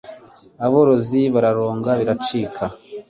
abarozi bararoga biracika